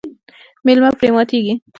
میلمه پرې ماتیږي.